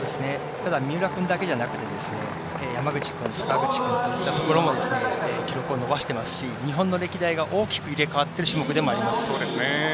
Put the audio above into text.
ただ三浦君だけじゃなくて山口君といったところも記録を伸ばしてますし日本の記録が大きく入れ代わっている種目でもあります。